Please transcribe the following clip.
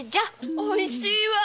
おいしいわ